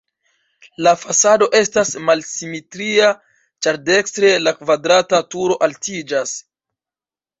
La fasado estas malsimetria, ĉar dekstre la kvadrata turo altiĝas.